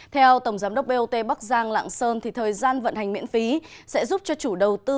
theo tổng giám đốc bot bắc giang lạng sơn thì thời gian vận hành miễn phí sẽ giúp cho chủ đầu tư